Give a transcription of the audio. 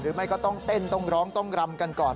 ไม่ต้องเต้นต้องร้องต้องรำกันก่อน